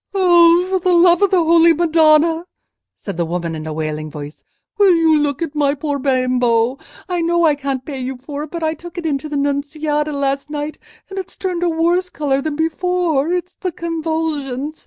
"Oh, for the love of the Holy Madonna!" said the woman, in a wailing voice; "will you look at my poor bimbo? I know I can't pay you for it, but I took it into the Nunziata last night, and it's turned a worse colour than before; it's the convulsions.